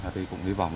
thì cũng hy vọng